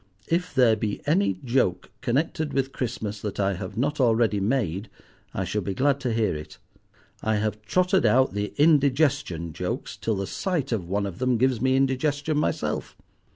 If there be any joke connected with Christmas that I have not already made I should be glad to hear it. I have trotted out the indigestion jokes till the sight of one of them gives me indigestion myself.